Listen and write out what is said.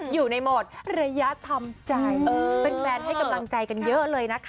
อยู่ในโหมดระยะทำใจแฟนให้กำลังใจกันเยอะเลยนะคะ